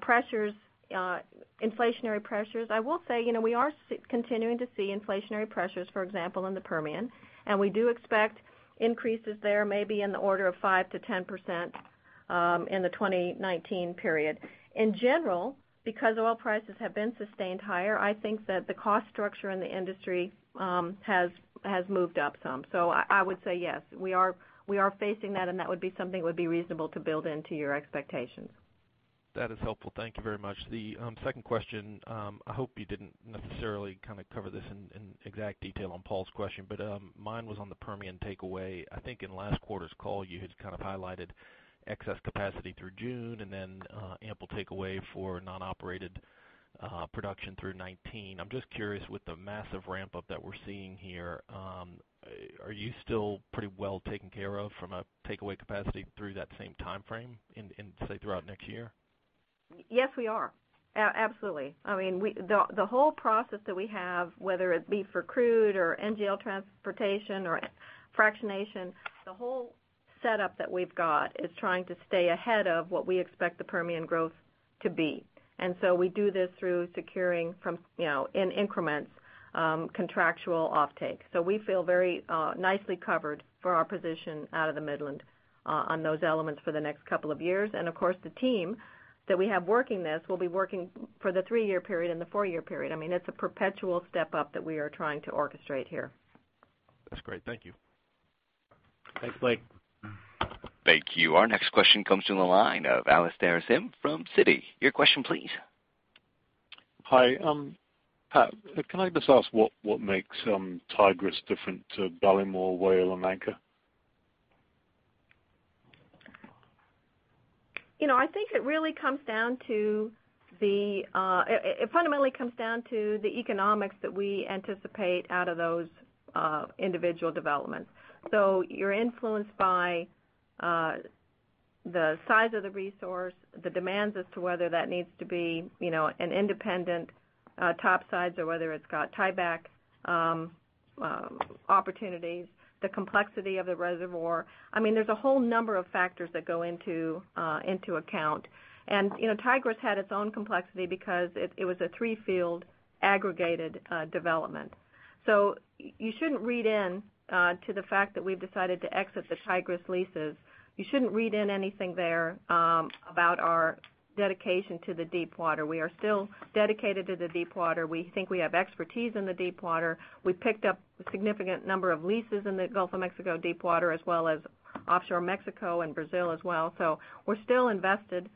pressures, inflationary pressures, I will say, we are continuing to see inflationary pressures, for example, in the Permian, and we do expect increases there, maybe in the order of 5%-10% in the 2019 period. In general, because oil prices have been sustained higher, I think that the cost structure in the industry has moved up some. I would say yes, we are facing that, and that would be something that would be reasonable to build into your expectations. That is helpful. Thank you very much. The second question, I hope you didn't necessarily cover this in exact detail on Paul's question. Mine was on the Permian takeaway. I think in last quarter's call, you had highlighted excess capacity through June and then ample takeaway for non-operated production through 2019. I'm just curious with the massive ramp up that we're seeing here, are you still pretty well taken care of from a takeaway capacity through that same timeframe and throughout next year? Yes, we are. Absolutely. I mean, the whole process that we have, whether it be for crude or NGL transportation or fractionation, the whole setup that we've got is trying to stay ahead of what we expect the Permian growth to be. We do this through securing from, in increments, contractual offtake. We feel very nicely covered for our position out of the Midland on those elements for the next couple of years. Of course, the team that we have working this will be working for the 3-year period and the 4-year period. I mean, it's a perpetual step up that we are trying to orchestrate here. That's great. Thank you. Thanks, Blake. Thank you. Our next question comes from the line of Alastair Syme from Citi. Your question, please. Hi. Pat, can I just ask what makes Tigris different to Ballymore, Whale, and Anchor? It fundamentally comes down to the economics that we anticipate out of those individual developments. You're influenced by the size of the resource, the demands as to whether that needs to be an independent topsides or whether it's got tieback opportunities, the complexity of the reservoir. There's a whole number of factors that go into account. Tigris had its own complexity because it was a three-field aggregated development. You shouldn't read in to the fact that we've decided to exit the Tigris leases. You shouldn't read in anything there about our dedication to the deepwater. We are still dedicated to the deepwater. We think we have expertise in the deepwater. We've picked up a significant number of leases in the Gulf of Mexico deepwater as well as offshore Mexico and Brazil as well. We're still invested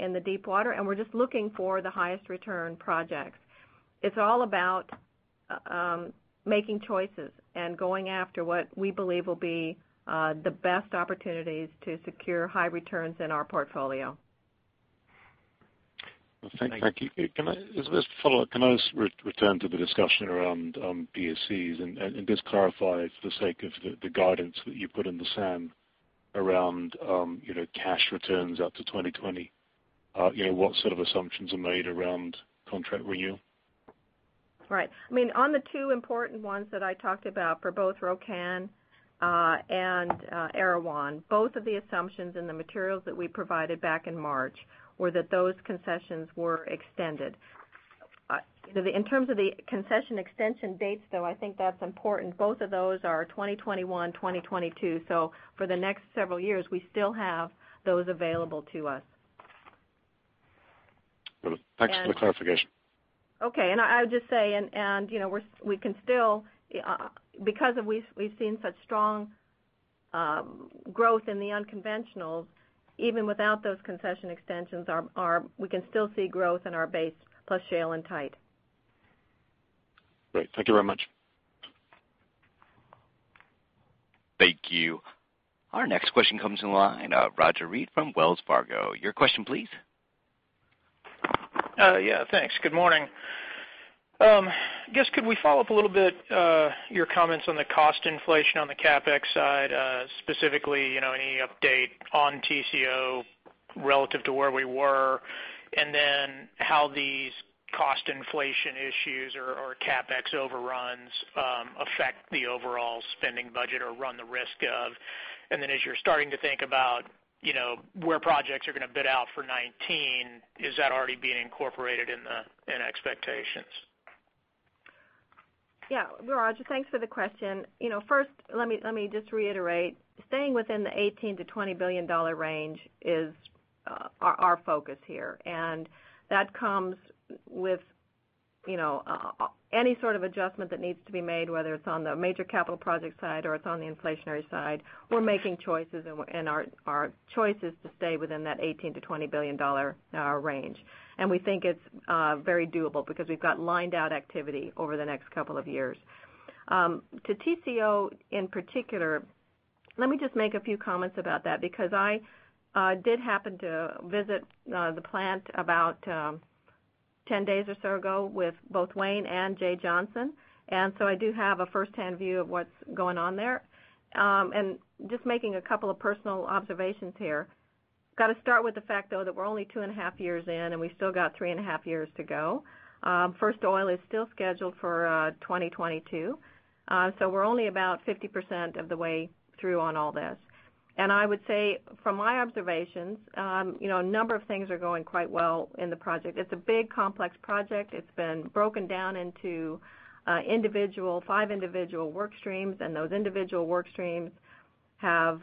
in the deepwater, and we're just looking for the highest return projects. It's all about making choices and going after what we believe will be the best opportunities to secure high returns in our portfolio. Thank you. Can I just follow up? Can I just return to the discussion around PSCs and just clarify for the sake of the guidance that you put in the SAM around cash returns up to 2020? What sort of assumptions are made around contract renewal? Right. On the two important ones that I talked about for both Rokan and Erawan, both of the assumptions and the materials that we provided back in March were that those concessions were extended. In terms of the concession extension dates, though, I think that's important. Both of those are 2021, 2022. For the next several years, we still have those available to us. Thanks for the clarification. Okay. I would just say, because we've seen such strong growth in the unconventionals, even without those concession extensions, we can still see growth in our base plus shale and tight. Great. Thank you very much. Thank you. Our next question comes in line. Roger Read from Wells Fargo. Your question, please. Yeah, thanks. Good morning. I guess could we follow up a little bit your comments on the cost inflation on the CapEx side, specifically any update on TCO relative to where we were? How these cost inflation issues or CapEx overruns affect the overall spending budget or run the risk of? As you're starting to think about where projects are going to bid out for 2019, is that already being incorporated in expectations? Yeah. Roger, thanks for the question. First, let me just reiterate, staying within the $18 billion-$20 billion range is our focus here, that comes with any sort of adjustment that needs to be made, whether it's on the major capital project side or it's on the inflationary side. We're making choices, our choice is to stay within that $18 billion-$20 billion range. We think it's very doable because we've got lined out activity over the next couple of years. To TCO in particular, let me just make a few comments about that, because I did happen to visit the plant about 10 days or so ago with both Wayne and Jay Johnson. I do have a firsthand view of what's going on there. Just making a couple of personal observations here. Got to start with the fact, though, that we're only two and a half years in, and we still got three and a half years to go. First oil is still scheduled for 2022. We're only about 50% of the way through on all this. I would say from my observations, a number of things are going quite well in the project. It's a big, complex project. It's been broken down into five individual work streams, those individual work streams have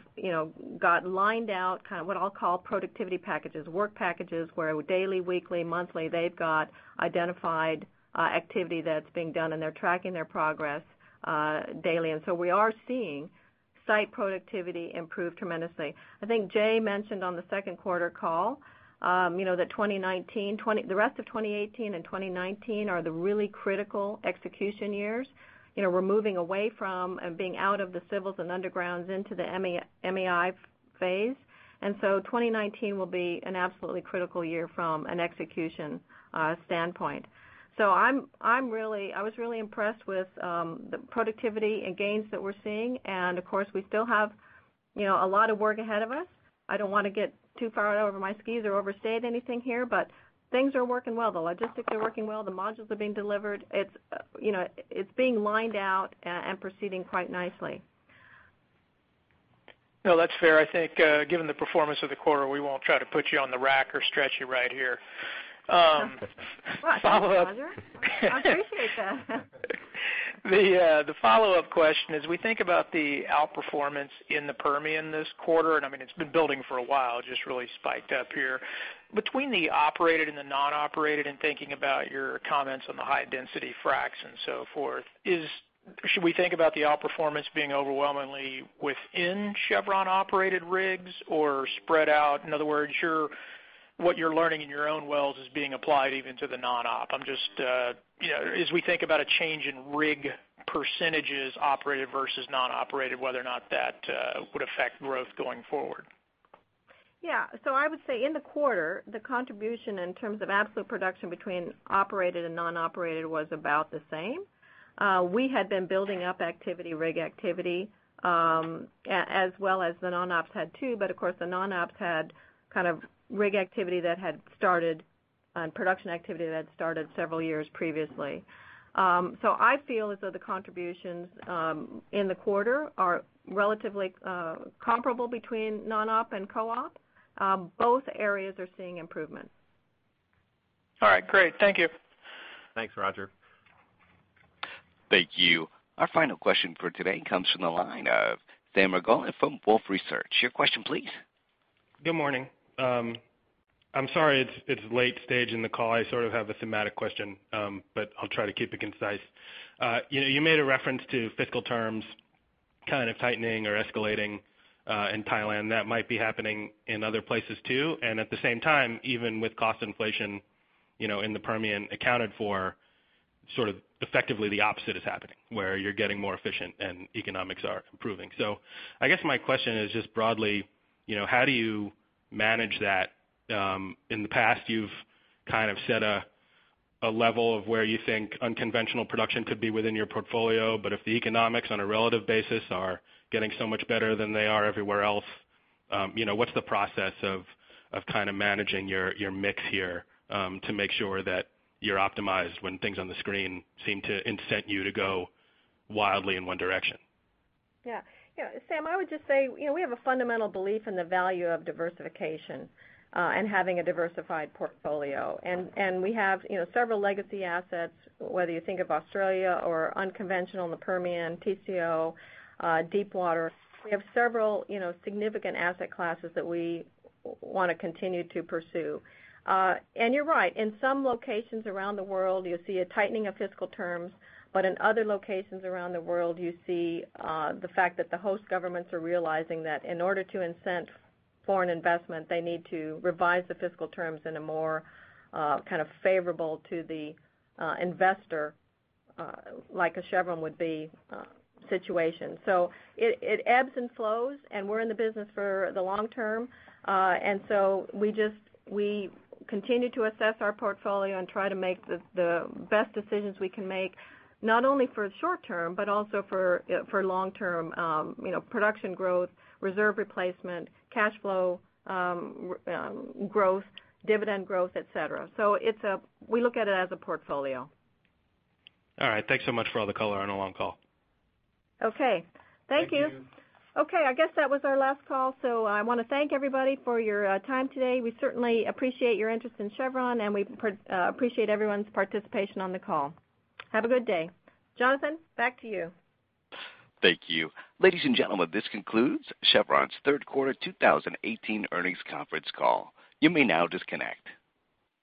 got lined out what I'll call productivity packages, work packages, where daily, weekly, monthly, they've got identified activity that's being done, they're tracking their progress daily. We are seeing site productivity improve tremendously. I think Jay mentioned on the second quarter call that the rest of 2018 and 2019 are the really critical execution years. We're moving away from being out of the civils and undergrounds into the MEI phase. 2019 will be an absolutely critical year from an execution standpoint. I was really impressed with the productivity and gains that we're seeing. Of course, we still have a lot of work ahead of us. I don't want to get too far over my skis or overstate anything here, but things are working well. The logistics are working well. The modules are being delivered. It's being lined out and proceeding quite nicely. That's fair. I think given the performance of the quarter, we won't try to put you on the rack or stretch you right here. Thank you, Roger. I appreciate that. The follow-up question is we think about the outperformance in the Permian this quarter, and it's been building for a while, it just really spiked up here. Between the operated and the non-operated and thinking about your comments on the high density fracs and so forth, should we think about the outperformance being overwhelmingly within Chevron operated rigs or spread out? In other words, what you're learning in your own wells is being applied even to the non-op. As we think about a change in rig percentages operated versus non-operated, whether or not that would affect growth going forward. I would say in the quarter, the contribution in terms of absolute production between operated and non-operated was about the same. We had been building up activity, rig activity, as well as the non-ops had too. Of course, the non-ops had rig activity that had started and production activity that started several years previously. I feel as though the contributions in the quarter are relatively comparable between non-op and co-op. Both areas are seeing improvement. All right, great. Thank you. Thanks, Roger. Thank you. Our final question for today comes from the line of Sam Margolin from Wolfe Research. Your question, please. Good morning. I'm sorry it's late stage in the call. I sort of have a thematic question, but I'll try to keep it concise. You made a reference to fiscal terms kind of tightening or escalating in Thailand. That might be happening in other places, too. At the same time, even with cost inflation in the Permian accounted for sort of effectively the opposite is happening, where you're getting more efficient and economics are improving. I guess my question is just broadly how do you manage that? In the past, you've kind of set a level of where you think unconventional production could be within your portfolio, but if the economics on a relative basis are getting so much better than they are everywhere else, what's the process of kind of managing your mix here to make sure that you're optimized when things on the screen seem to incent you to go wildly in one direction? Yeah. Sam, I would just say we have a fundamental belief in the value of diversification and having a diversified portfolio. We have several legacy assets, whether you think of Australia or unconventional in the Permian, TCO, Deepwater. We have several significant asset classes that we want to continue to pursue. You're right. In some locations around the world, you'll see a tightening of fiscal terms. In other locations around the world, you see the fact that the host governments are realizing that in order to incent foreign investment, they need to revise the fiscal terms in a more kind of favorable to the investor like a Chevron would be situation. It ebbs and flows, and we're in the business for the long term. We continue to assess our portfolio and try to make the best decisions we can make, not only for the short term, but also for long-term production growth, reserve replacement, cash flow growth, dividend growth, et cetera. We look at it as a portfolio. All right. Thanks so much for all the color on a long call. Okay. Thank you. Thank you. Okay. I guess that was our last call. I want to thank everybody for your time today. We certainly appreciate your interest in Chevron, and we appreciate everyone's participation on the call. Have a good day. Jonathan, back to you. Thank you. Ladies and gentlemen, this concludes Chevron's third quarter 2018 earnings conference call. You may now disconnect.